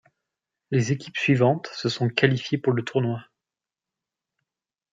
Les équipes suivantes se sont qualifiées pour le tournoi.